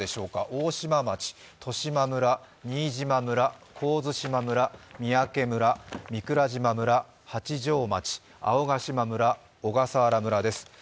大島町、十島村、新島村、神津島村、三宅村、三宅村、八丈町、青ヶ島村、小笠原村です。